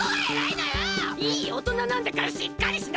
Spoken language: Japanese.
いいおとななんだからしっかりしなさい！